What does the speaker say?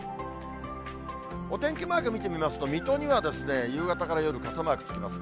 お天気マーク、見てみますと水戸には、夕方から夜、傘マークつきます。